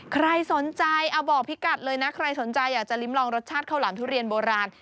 ใครสนใจเอาบอกพี่กัดเลยนะใครสนใจอยากจะลิ้มลองรสชาติข้าวหลามทุเรียนโบราณ